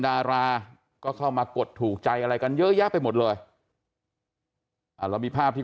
ดาราก็เข้ามากดถูกใจอะไรกันเยอะแยะไปหมดเลยอ่าเรามีภาพที่